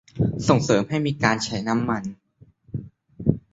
ส่งเสริมให้มีการใช้น้ำมัน